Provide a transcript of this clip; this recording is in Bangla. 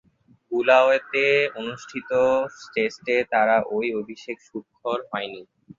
বুলাওয়েতে অনুষ্ঠিত টেস্টে তার ঐ অভিষেক সুখকর হয়নি।